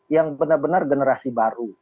yang benar benar generasi baru